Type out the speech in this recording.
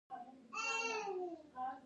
چې د هغه په اساس دوی په هند کې را وګرځول شي.